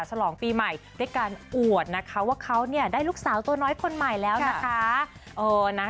ฉลองปีใหม่ด้วยการอวดนะคะว่าเขาเนี่ยได้ลูกสาวตัวน้อยคนใหม่แล้วนะคะ